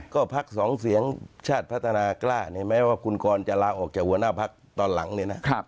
ก็พักสองเสียงชาติพัฒนากล้าเนี่ยแม้ว่าคุณกรจะลาออกจากหัวหน้าพักตอนหลังเนี่ยนะ